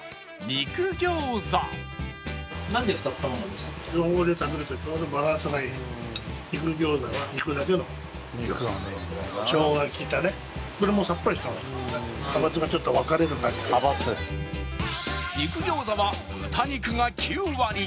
肉餃子は豚肉が９割